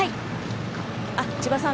千葉さん